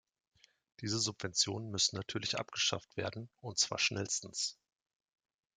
Diese Subventionen müssen natürlich abgeschafft werden, und zwar schnellstens!